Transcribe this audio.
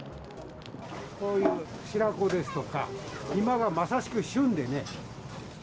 こういう白子ですとか、今がまさしく旬でね。